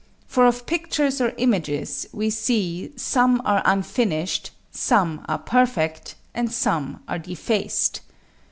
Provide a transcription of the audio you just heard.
For of pictures or images, we see some are unfinished, some are perfect, and some are defaced.